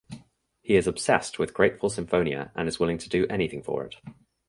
He is obsessed with Grateful Symphonia and is willing to do anything for it.